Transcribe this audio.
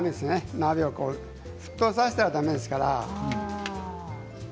鍋を沸騰させたらだめですから。